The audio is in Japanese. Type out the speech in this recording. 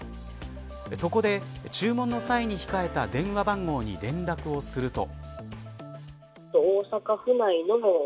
そこで注文の際に控えた電話番号に連絡をすると。